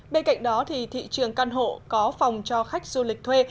bên cạnh đó thị trường căn hộ có phòng cho khách du lịch thuê